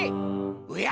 おや！